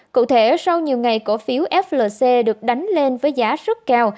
cụ thể sau nhiều ngày cổ phiếu flc được đánh lên với giá rất cao